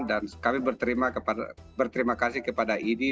dan kami berterima kasih kepada idi